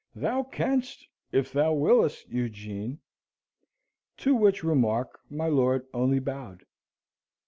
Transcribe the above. Thou canst, if thou willest, Eugene." To which remark my lord only bowed.